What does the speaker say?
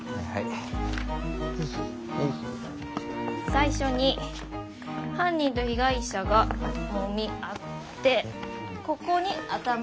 最初に犯人と被害者が揉み合ってここに頭をドーン！